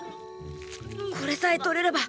これさえ取れればァ！